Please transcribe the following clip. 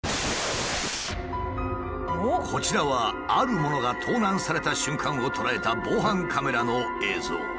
こちらはあるものが盗難された瞬間を捉えた防犯カメラの映像。